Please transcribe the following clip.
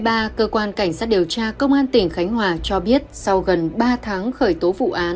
hôm tám sáu hai nghìn hai mươi ba cơ quan cảnh sát điều tra công an tỉnh khánh hòa cho biết sau gần ba tháng khởi tố vụ án và bị can